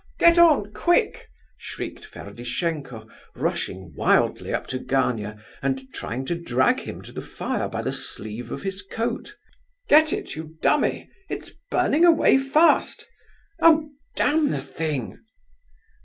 "Get on, quick!" shrieked Ferdishenko, rushing wildly up to Gania, and trying to drag him to the fire by the sleeve of his coat. "Get it, you dummy, it's burning away fast! Oh—damn the thing!"